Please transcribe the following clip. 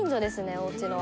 おうちの。